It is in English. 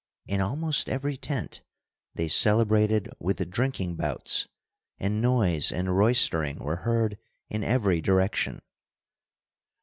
In almost every tent they celebrated with drinking bouts, and noise and roystering were heard in every direction.